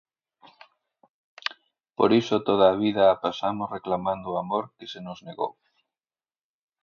Por iso toda a vida a pasamos reclamando o amor que se nos negou.